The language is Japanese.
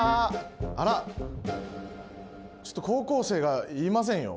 あらちょっと高校生がいませんよ。